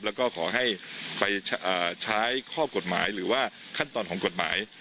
แล้วก็ขอให้ไปใช้ข้อกฎหมายหรือว่าขั้นตอนของกฎหมาย